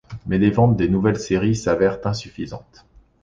Mais les ventes des nouvelles séries s'avèrent insuffisantes.